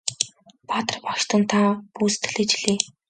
Баатар багштан та бүү сэтгэлээ чилээ!